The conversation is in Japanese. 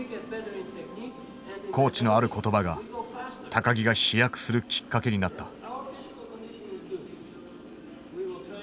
コーチのある言葉が木が飛躍するきっかけになった。